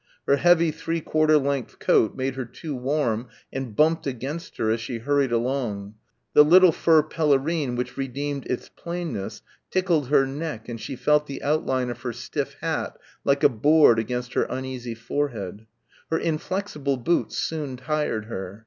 Her heavy three quarter length cloth coat made her too warm and bumped against her as she hurried along the little fur pelerine which redeemed its plainness tickled her neck and she felt the outline of her stiff hat like a board against her uneasy forehead. Her inflexible boots soon tired her....